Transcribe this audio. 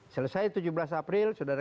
selesai tujuh belas april sudah ada